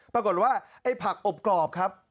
ปรากฏว่าไอ้ผักอบกรอบครับ